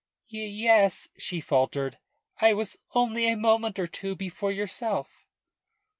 "Ye es," she faltered. "I was only a moment or two before yourself."